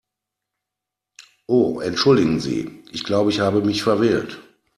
Oh entschuldigen Sie, ich glaube, ich habe mich verwählt.